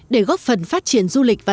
để góp phần phát triển du lịch và